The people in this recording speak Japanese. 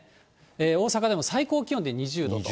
大阪でも最高気温で２０度と。